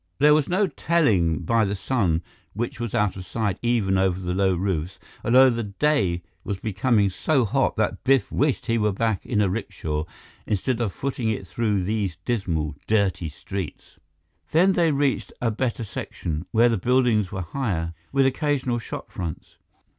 There was no telling by the sun, which was out of sight even over the low roofs, although the day was becoming so hot that Biff wished he were back in a rickshaw instead of footing it through these dismal, dirty streets. Then they reached a better section, where the buildings were higher, with occasional shop fronts.